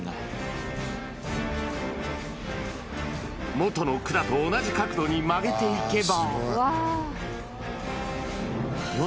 元の管と同じ角度に曲げていけば。